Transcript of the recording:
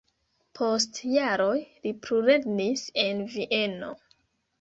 Post jaroj li plulernis en Vieno.